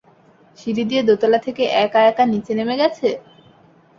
সিঁড়ি দিয়ে দোতলা থেকে এক-একা নিচে নেমে গেছে?